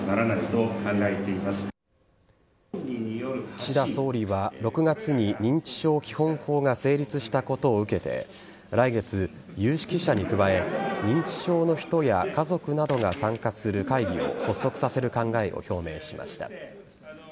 岸田総理は６月に認知症基本法が成立したことを受けて来月、有識者に加え認知症の人や家族などが参加する会議を発足させる考えを表明しました。